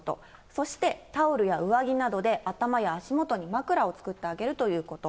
そして、タオルや上着などで頭や足元に枕を作ってあげるということ。